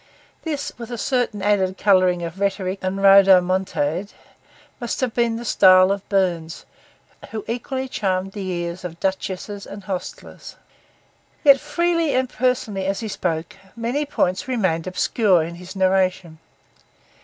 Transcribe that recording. This, with a certain added colouring of rhetoric and rodomontade, must have been the style of Burns, who equally charmed the ears of duchesses and hostlers. Yet freely and personally as he spoke, many points remained obscure in his narration.